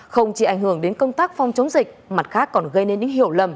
không chỉ ảnh hưởng đến công tác phòng chống dịch mặt khác còn gây nên những hiểu lầm